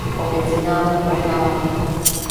Obě finále prohrála.